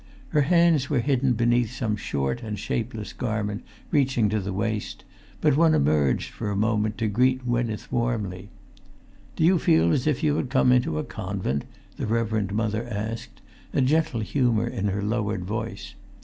Her hands were hidden beneath some short and shapeless garment reaching to the waist, but one emerged for a moment to greet Gwynneth warmly. "Do you feel as if you had come into a convent?" the Reverend Mother asked, a gentle humour in her lowered voice.